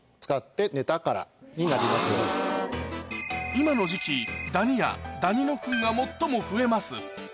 今の時期ダニやダニのフンが最も増えます